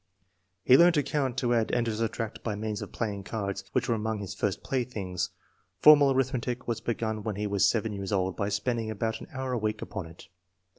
"He learned to count, to add and to subtract by means of playing cards, which were among his first playthings. Formal arithmetic was begun when he was 7 years old by spending about an hour a week upon it.